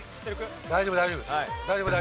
大丈夫大丈夫。